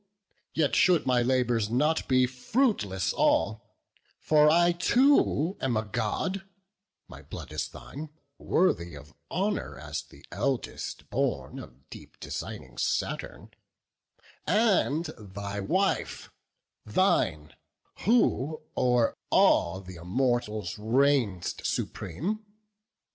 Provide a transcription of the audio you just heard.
Yet should my labours not be fruitless all; For I too am a God; my blood is thine; Worthy of honour, as the eldest born Of deep designing Saturn, and thy wife; Thine, who o'er all th' Immortals reign'st supreme.